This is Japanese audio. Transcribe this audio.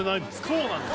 そうなんですよ